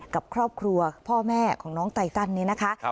กับครอบครัวพ่อแม่ของน้องไตตันนี้นะคะ